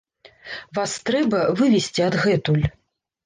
Вас трэба вывесці адгэтуль.